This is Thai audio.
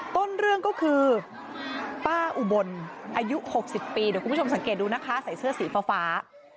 ต้นเรื่องก็คือป้าอุบลอายุ๖๐ปีเดี๋ยวคุณผู้ชมสังเกตดูนะคะใส่เสื้อสีฟ้า